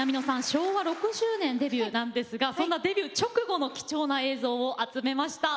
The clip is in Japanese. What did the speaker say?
昭和６０年デビューなんですがそんなデビュー直後の貴重な映像を集めました。